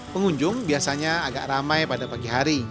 pengunjung biasanya agak ramai pada pagi hari